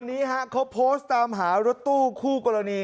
นี้ฮะเขาโพสต์ตามหารถตู้คู่กรณี